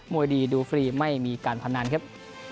วยดีดูฟรีไม่มีการพนันครับ